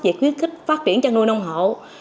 về khuyến khích phát triển chăn nuôi nông hộ